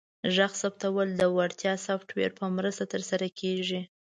غږ ثبتول د وړیا سافټویر په مرسته ترسره کیږي.